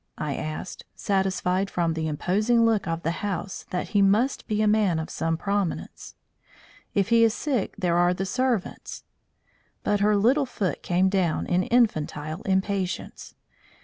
I asked, satisfied from the imposing look of the house that he must be a man of some prominence. "If he is sick there are the servants" But here her little foot came down in infantile impatience.